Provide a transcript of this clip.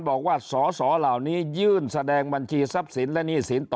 บอกว่าสอสอเหล่านี้ยื่นแสดงบัญชีทรัพย์สินและหนี้สินต่อ